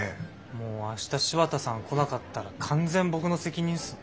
もう明日柴田さん来なかったら完全僕の責任すね。